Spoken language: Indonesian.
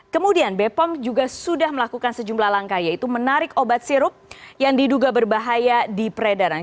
kemudian bepom juga sudah melakukan sejumlah langkah yaitu menarik obat sirup yang diduga berbahaya di peredaran